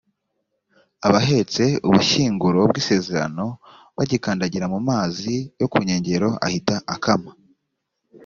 abahetse ubushyinguro bw’isezerano bagikandagira mu mazi yo ku nkengero, ahita akama